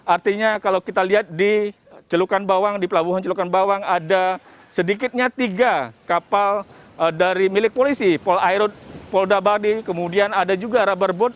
artinya kalau kita lihat di pelabuhan cilukan bawang ada sedikitnya tiga kapal dari milik polisi pol airut dan pol dahabadi kemudian ada juga rubber boat